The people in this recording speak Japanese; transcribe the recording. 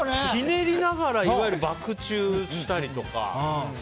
ひねりながらいわゆるバック宙したりとか。